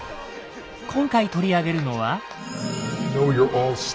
今回取り上げるのは？